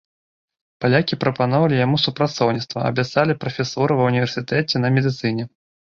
Палякі прапаноўвалі яму супрацоўніцтва, абяцалі прафесуру ва універсітэце на медыцыне.